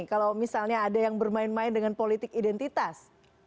kalau misalnya ada yang bermain main dengan politik identitas